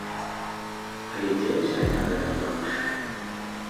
Але дзе ўзяць на гэта грошы?